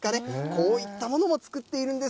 こういったものも作っているんです。